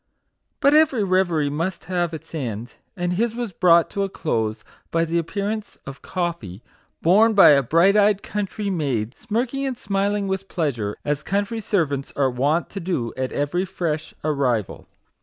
But every reverie must have its end ; and his was brought to a close by the appearance of coffee, borne by a bright eyed country maid, smirking and smiling with pleasure, as country servants are wont to do at every fresh arrival.